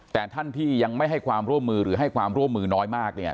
แต่ท่านที่ยังไม่ให้ความร่วมมือหรือให้ความร่วมมือน้อยมากเนี่ย